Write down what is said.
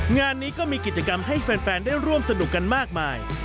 งานนี้ก็มีกิจกรรมให้แฟนได้ร่วมสนุกกันมากมาย